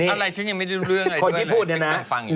อะไรฉันยังไม่รู้เรื่องเลยคนที่พูดเนี่ยนะ